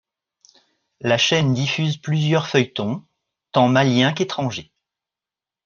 La chaîne diffuse plusieurs feuilletons, tant maliens qu'étrangers.